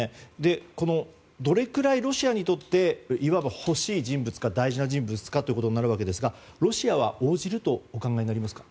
どれくらいロシアにとっていわば、欲しい人物なのか大事な人物かということになるんですがロシアは応じるとお考えですか。